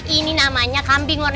ini makanan perempuan ya